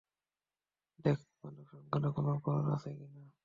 দেখ মাদক সংক্রান্ত কোন অপরাধ আছে কিনা?